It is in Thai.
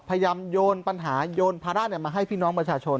พยายามโยนปัญหาโยนภาระมาให้พี่น้องประชาชน